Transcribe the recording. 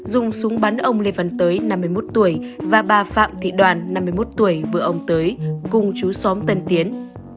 dùng súng bắn ông lê văn tới năm mươi một tuổi và bà phạm thị đoàn năm mươi một tuổi vợ ông tới cùng chú xóm tân tiến